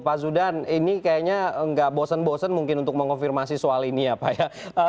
pak zudan ini kayaknya nggak bosen bosen mungkin untuk mengonfirmasi soal ini ya pak ya